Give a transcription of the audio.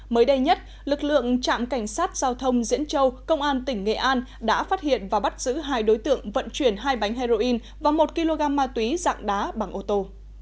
mới đây nhất lực lượng trạm cảnh sát giao thông diễn châu công an tỉnh nghệ an đã phát hiện và bắt giữ hai đối tượng vận chuyển hai bánh heroin và một kg ma túy dạng đá bằng ô tô